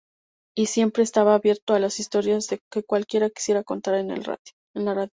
Y siempre estaba abierto a las historias que cualquiera quisiera contar en la radio.